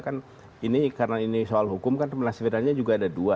kan ini karena ini soal hukum kan penasirannya juga ada dua